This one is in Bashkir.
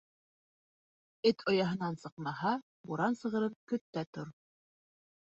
Эт ояһынан сыҡмаһа, буран сығырын көт тә тор.